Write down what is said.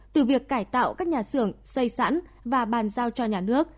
từ việc cải tạo các nhà xưởng xây sẵn và bàn giao cho nhà nước